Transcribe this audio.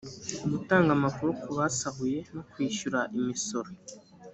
gutanga amakuru ku basahuye no kwishyura imisoro